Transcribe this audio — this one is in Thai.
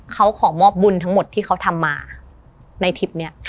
เขาขอมอบบุญทั้งหมดที่เขาทำมาในทริปนี้